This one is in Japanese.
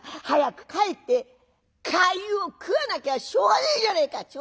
早く帰ってかゆを食わなきゃしょうがねえじゃねえか！」。